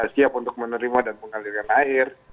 siap untuk menerima dan mengalirkan air